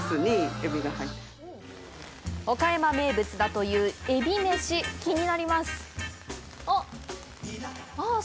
岡山名物だというえびめし気になりますあっああ